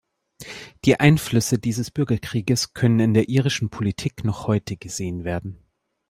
Die Einflüsse dieses Bürgerkriegs können in der irischen Politik noch heute gesehen werden.